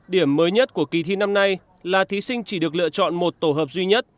điểm mới nhất của kỳ thi năm nay là thí sinh chỉ được lựa chọn một tổ hợp duy nhất